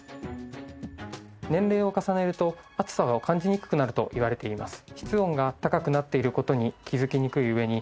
年齢を重ねると暑さを感じにくくなるといわれています。